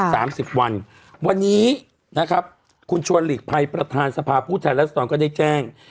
สามสิบวันวันนี้นะครับคุณชวนหลีกภัยประธานสภาพผู้แทนรัศดรก็ได้แจ้ง